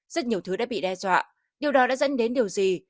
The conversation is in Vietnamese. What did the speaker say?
rất nhiều thứ đã bị đe dọa điều đó đã dẫn đến điều gì